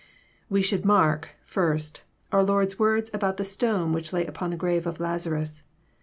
We should mark, first, our Lord^s words about the stone which lay upon the grave of Lazarus.